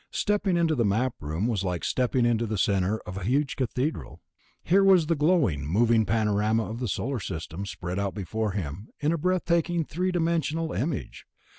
Stepping into the Map Room was like stepping into the center of a huge cathedral. Here was the glowing, moving panorama of the Solar System spread out before him in a breath taking three dimensional image.